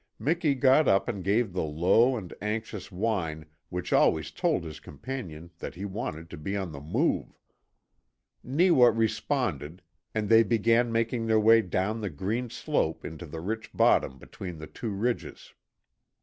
Miki got up and gave the low and anxious whine which always told his companion that he wanted to be on the move. Neewa responded, and they began making their way down the green slope into the rich bottom between the two ridges.